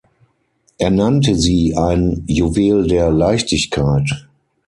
Er nannte sie ein »Juwel der Leichtigkeit«.